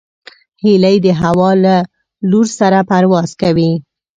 هیلۍ د هوا له لور سره پرواز کوي